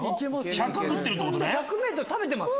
１００ｍ食べてます。